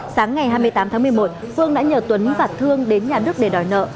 sáng ngày hai mươi tám tháng một mươi một phương đã nhờ tuấn và thương đến nhà nước để đòi nợ